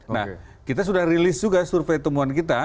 nah kita sudah rilis juga survei temuan kita